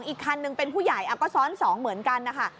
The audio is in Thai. อีกคันหนึ่งเป็นผู้ใหญ่ก็ซ้อน๒เหมือนกันนะคะ